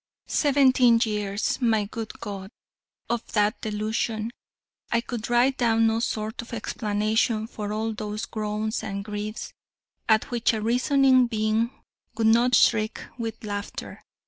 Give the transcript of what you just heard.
Seventeen years, my good God, of that delusion! I could write down no sort of explanation for all those groans and griefs, at which a reasoning being would not shriek with laughter.